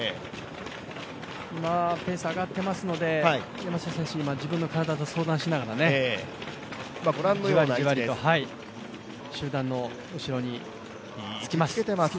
今、ペース上がっていますので山下選手、自分の体と相談しながらじわりじわりと集団の後ろにつきます。